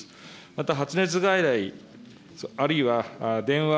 また発熱外来、あるいは電話